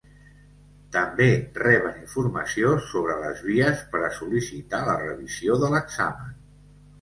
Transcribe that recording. També reben informació sobre les vies per a sol·licitar la revisió de l'examen.